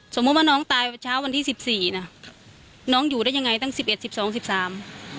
สมมุติว่าน้องตายเช้าวันที่สิบสี่น่ะน้องอยู่ได้ยังไงตั้งสิบเอ็ดสิบสองสิบสาม